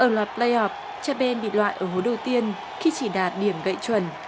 ở loạt play off chapin bị loại ở hố đầu tiên khi chỉ đạt điểm gậy chuẩn